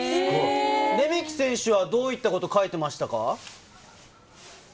レメキ選手はどういったことを書いてましたか？